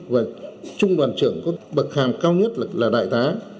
và trung đoàn trưởng có bậc hàm cao nhất